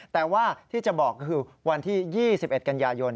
แต่ว่าที่จะบอกก็คือวันที่๒๑กันยายน